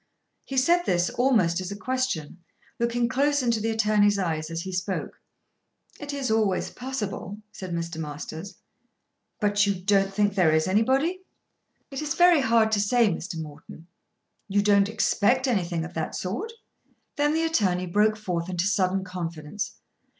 He said this almost as a question, looking close into the attorney's eyes as he spoke. "It is always possible," said Mr. Masters. "But you don't think there is anybody?" "It is very hard to say, Mr. Morton." "You don't expect anything of that sort?" Then the attorney broke forth into sudden confidence.